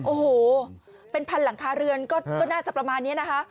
โอ้โหเป็นพันหลังคาเรือนก็น่าจะประมาณนี้นะคะ